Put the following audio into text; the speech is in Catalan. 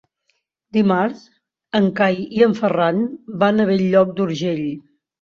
Dimarts en Cai i en Ferran van a Bell-lloc d'Urgell.